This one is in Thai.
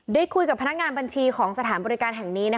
ได้คุยกับพนักงานบัญชีของสถานบริการแห่งนี้